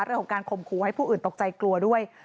เรื่องของการข่มขู่ให้ผู้อื่นตกใจกลัวด้วย